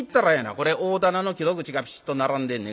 これ大店の木戸口がピシッと並んでんねん。